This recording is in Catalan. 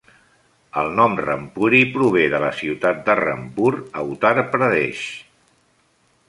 El nom Rampuri prové de la ciutat de Rampur, a Uttar Pradesh.